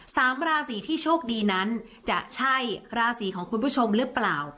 สามราศีที่โชคดีนั้นจะใช่ราศีของคุณผู้ชมหรือเปล่า